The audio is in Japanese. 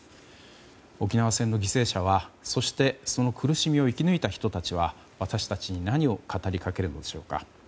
沖縄戦の犠牲者はそして、その苦しみを生き抜いた人たちは私たちに何を語りかけるのでしょうか。